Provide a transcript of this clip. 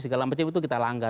segala macam itu kita langgar